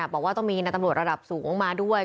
บอกว่าต้องมีในตำรวจระดับสูงมาด้วย